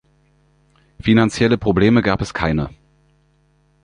Finanzielle Problem gab es keine.